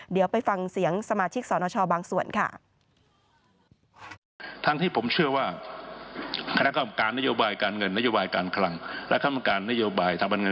เดี๋ยวไปฟังเสียงสมาชิกสนชบางส่วนค่ะ